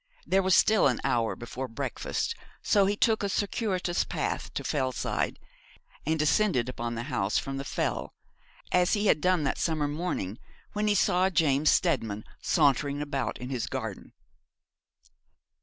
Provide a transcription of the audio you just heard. There was still an hour before breakfast, so he took a circuitous path to Fellside, and descended upon the house from the Fell, as he had done that summer morning when he saw James Steadman sauntering about in his garden.